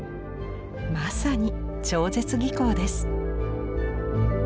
まさに超絶技巧です。